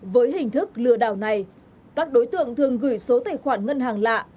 với hình thức lừa đảo này các đối tượng thường gửi số tài khoản ngân hàng lạ